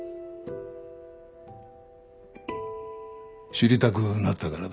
知りたくなったからだ。